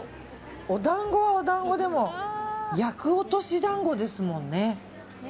お団子はお団子でも厄落し団子ですもんね。